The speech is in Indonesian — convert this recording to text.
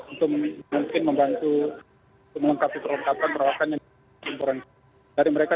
untuk mungkin membantu mengungkapi perlengkapan perawakan tim forensik